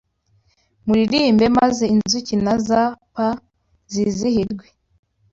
Muririmbe maze inzuki nazp zizihirwe